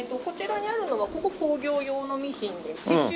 こちらにあるのはここ工業用のミシンです。